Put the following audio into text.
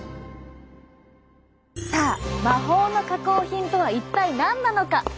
さあ魔法の加工品とは一体何なのか？